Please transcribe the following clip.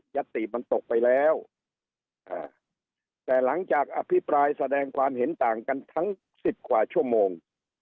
ติมันตกไปแล้วแต่หลังจากอภิปรายแสดงความเห็นต่างกันทั้งสิบกว่าชั่วโมง